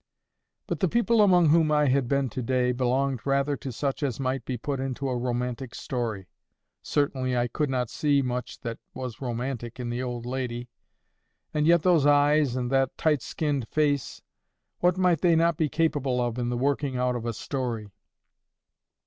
But the people among whom I had been to day belonged rather to such as might be put into a romantic story. Certainly I could not see much that was romantic in the old lady; and yet, those eyes and that tight skinned face—what might they not be capable of in the working out of a story?